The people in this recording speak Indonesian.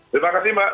terima kasih mbak